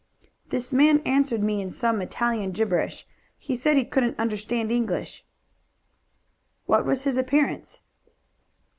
"This man answered me in some Italian gibberish. He said he couldn't understand English." "What was his appearance?"